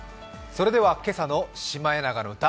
それでは今朝の「シマエナガの歌」